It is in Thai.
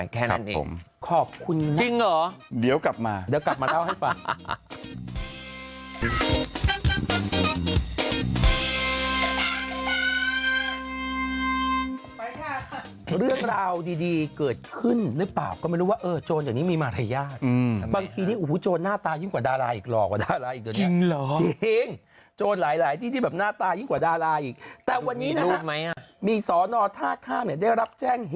คนอะไรก็ว่ากันไปแค่นั้นเอง